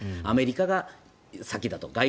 アメリカが先だと。